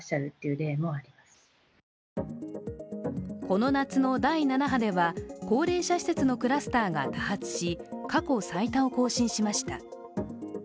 この夏の第７波では高齢者施設のクラスターが多発し過去最多を更新しました。